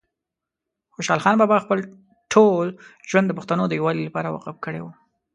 خوشحال بابا خپل ټول ژوند د پښتنو د یووالي لپاره وقف کړی وه